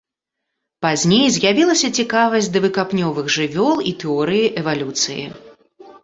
Пазней з'явілася цікавасць да выкапнёвых жывёл і тэорыі эвалюцыі.